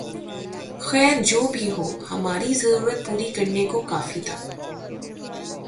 خیر جو بھی ہو ، ہماری ضرورت پوری کرنے کو کافی تھا